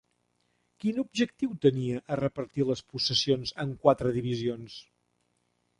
Quin objectiu tenia a repartir les possessions en quatre divisions?